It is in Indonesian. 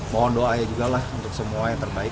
mohon doa ya juga lah untuk semua yang terbaik